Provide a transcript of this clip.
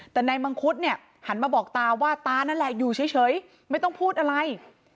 แต่นายมังคุดเนี่ยหันมาบอกตาว่าตานั่นแหละอยู่เฉยไม่ต้องพูดอะไร